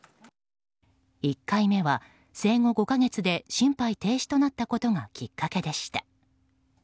１回目は生後５か月で心肺停止となったことがきっかけでした。